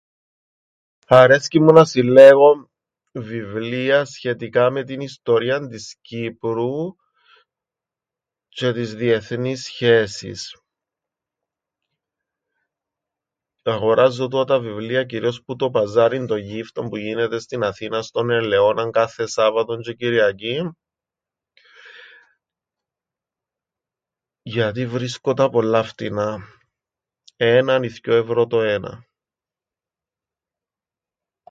Αρέσκει μου να συλλέγω βιβλία σχετικά με την ιστορίαν της Κύπρου τζ̆αι τις διεθνείς σχέσεις. Αγοράζω τού(τ)α τα βιβλία κυρίως που το παζάριν των γύφτων που γίνεται στην Αθήναν στον Ελαιώναν κάθε Σάββατον τζ̆αι Κυριακήν, γιατί βρίσκω τα πολλά φτηνά, έναν ή θκυο ευρώ το έναν.